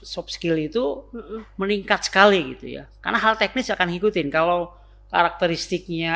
soft skill itu meningkat sekali gitu ya karena hal teknis akan ngikutin kalau karakteristiknya